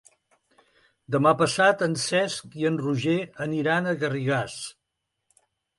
Demà passat en Cesc i en Roger aniran a Garrigàs.